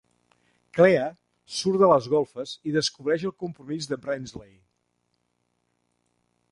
Clea surt de les golfes i descobreix el compromís de Brindsley.